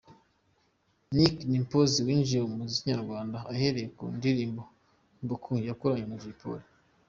Nick Dimpoz yinjiye mu muziki nyarwanda ahereye ku ndirimbo 'Beaucoup’ yakoranye na Jay Polly.